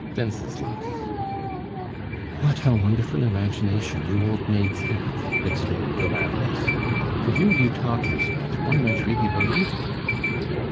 "Wenceslas." "What a wonderful imagination you old maids have!" exclaimed the Baroness. "To hear you talk, Lisbeth, one might really believe you."